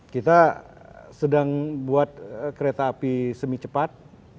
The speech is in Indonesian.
kita sedang buat kereta api semi cepat